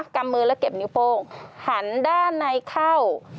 กำมือแล้วเก็บนิ้วโป้งหันด้านในเข้า